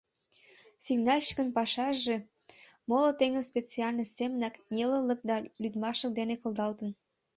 Сигнальщикын пашаже моло теҥыз специальность семынак нелылык да лӱдмашлык дене кылдалтын.